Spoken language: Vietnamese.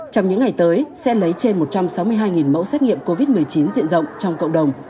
trong những ngày tới sẽ lấy trên một trăm sáu mươi hai mẫu xét nghiệm covid một mươi chín diện rộng trong cộng đồng